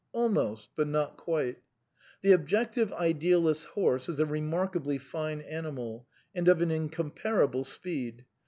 Almost, but not quite. The Objective Idealist's horse is a remarkably fine animal, and of an incomparable speed.